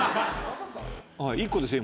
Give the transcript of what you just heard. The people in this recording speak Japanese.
１個ですよ